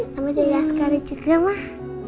sama julia sekali juga mas